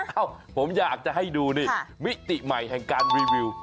เอ้าผมอยากจะให้ดูนี่มิติใหม่แห่งการรีวิว